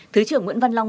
thứ trưởng nguyễn văn long